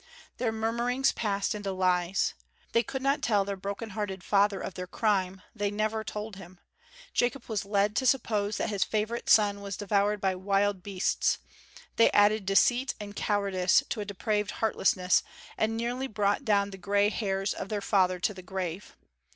Their murmurings passed into lies. They could not tell their broken hearted father of their crime; they never told him. Jacob was led to suppose that his favorite son was devoured by wild beasts; they added deceit and cowardice to a depraved heartlessness, and nearly brought down the gray hairs of their father to the grave.